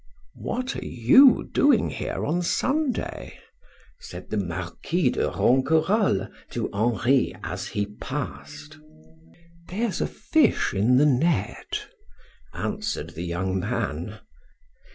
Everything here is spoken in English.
"What are you doing here on Sunday?" said the Marquis de Ronquerolles to Henri, as he passed. "There's a fish in the net," answered the young man.